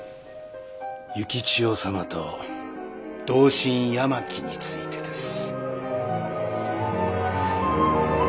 幸千代様と同心八巻についてです。